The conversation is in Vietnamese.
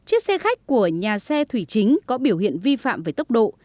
chiếc xe khách của nhà xe thủy chính có biểu hiện vi phạm về tốc độ